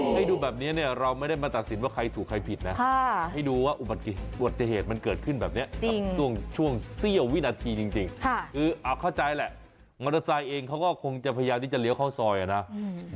ให้ดูแบบนี้เนี่ยเราไม่ได้มาตัดสินว่าใครถูกใครผิดนะให้ดูว่าอุบัติเหตุมันเกิดขึ้นแบบนี้กับช่วงเสี้ยววินาทีจริงคือเอาเข้าใจแหละมอเตอร์ไซค์เองเขาก็คงจะพยายามที่จะเลี้ยวเข้าซอยอ่ะนะ